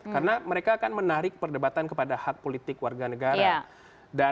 karena mereka akan menarik perdebatan kepada hak politik warga negara